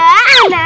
mau kak ustazah